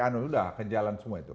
sudah ke jalan semua itu